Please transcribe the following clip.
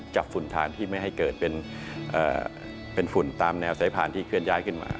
ฝุ่นทางที่ไม่ให้เกิดเป็นฝุ่นตามแนวสายผ่านที่เคลื่อนย้ายขึ้นมา